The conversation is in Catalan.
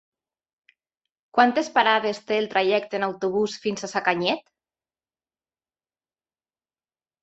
Quantes parades té el trajecte en autobús fins a Sacanyet?